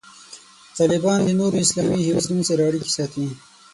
طالبان د نورو اسلامي هیوادونو سره اړیکې ساتي.